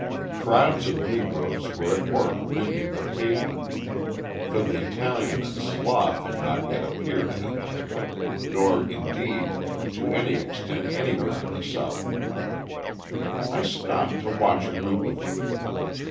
Crowds of Negroes were at work mending the pavement, for the Italian and Slav have not yet appeared in Atlanta, nor indeed to any extent anywhere in the South. I stopped to watch a group of them.